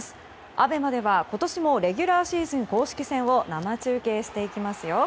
ＡＢＥＭＡでは今年もレギュラーシーズン公式戦を生中継していきますよ。